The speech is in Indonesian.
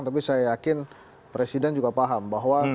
tapi saya yakin presiden juga paham bahwa